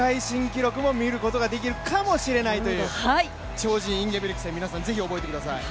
超人インゲブリクセン、ぜひ皆さん覚えてください。